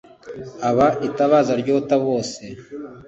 aba itabaza ryota bose.